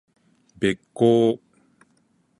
べっ甲